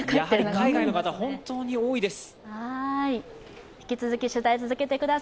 やはり海外の方、本当に多いです